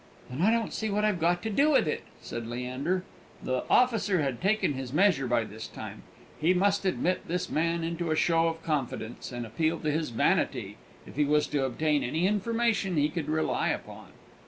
"Then I don't see what I've got to do with it," said Leander. The officer had taken his measure by this time; he must admit his man into a show of confidence, and appeal to his vanity, if he was to obtain any information he could rely upon.